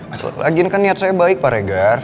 aduh lagi ini kan niat saya baik pak regar